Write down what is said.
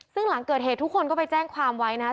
ซึ่งหลังเกิดเหตุทุกคนก็ไปแจ้งความไว้นะครับ